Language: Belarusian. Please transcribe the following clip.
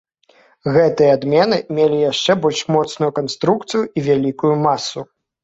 Гэтыя адмены мелі яшчэ больш моцную канструкцыю і вялікую масу.